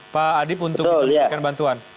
tadi pun untuk memberikan bantuan